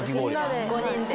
５人で。